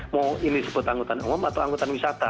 mau ini sebut angkutan umum atau angkutan wisata